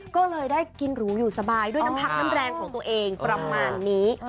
ก็เลยได้กินหรูอยู่สบายด้วยน้ำพักน้ำแรงของตัวเองประมาณนี้